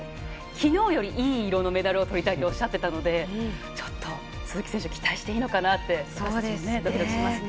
昨日よりいい色のメダルをとりたいとおっしゃってたのでちょっと鈴木選手期待していいのかなって私たちもドキドキしますね。